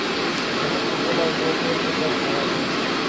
زموږ په دې موضوع ډېر فکر خراب دی.